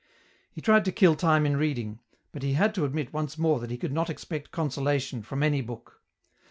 He tried to kill time in reading, but he had to admit once more that he could not expect consolation from any book.